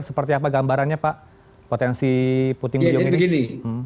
seperti apa gambarannya pak potensi puting beliung ini